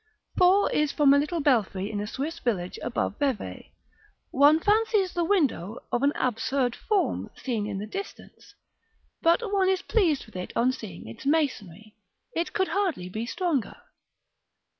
4 is from a little belfry in a Swiss village above Vevay; one fancies the window of an absurd form, seen in the distance, but one is pleased with it on seeing its masonry. It could hardly be stronger.